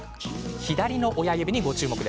左の親指に、ご注目。